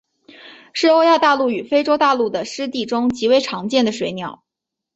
是欧亚大陆与非洲大陆的湿地中极为常见的水鸟。